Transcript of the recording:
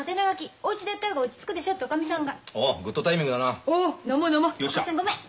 お母さんごめん。